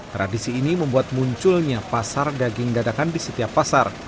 tradisi ini membuat munculnya pasar daging dadakan di setiap pasar